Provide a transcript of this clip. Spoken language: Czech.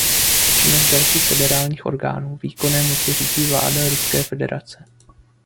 Činnost dalších federálních orgánů výkonné moci řídí vláda Ruské federace.